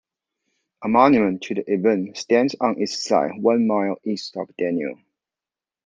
A monument to the event stands on its site one mile east of Daniel.